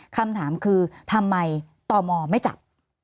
คำถามคือทำไมตมไม่จับ